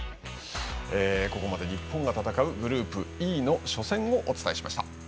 ここまで日本が戦うグループＥの初戦をお伝えしました。